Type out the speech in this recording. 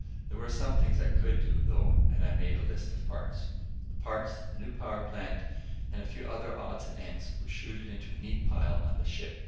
There were some things I could do, though, and I made a list of parts. The parts, the new power plant and a few other odds and ends were chuted into a neat pile on the ship.